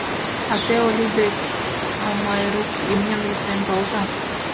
А те, Олю дек Майрук, имньым йӱктен толза.